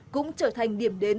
cũng trở thành điểm đến